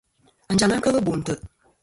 Anjaŋ-a kel Bo ntè'.